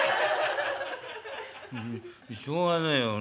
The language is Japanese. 「うしょうがねえよ。